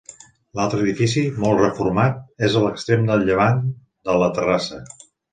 L'altre edifici, molt reformat, és a l'extrem de llevant de la terrassa.